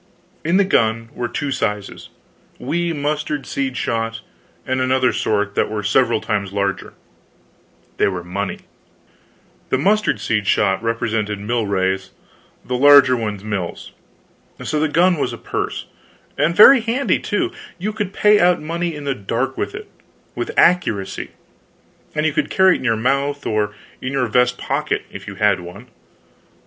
In the gun were two sizes wee mustard seed shot, and another sort that were several times larger. They were money. The mustard seed shot represented milrays, the larger ones mills. So the gun was a purse; and very handy, too; you could pay out money in the dark with it, with accuracy; and you could carry it in your mouth; or in your vest pocket, if you had one.